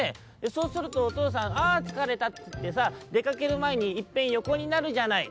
「そうするとおとうさんああつかれたっていってさでかけるまえにいっぺんよこになるじゃない」。